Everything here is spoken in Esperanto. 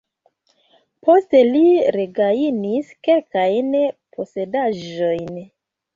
Poste li regajnis kelkajn posedaĵojn.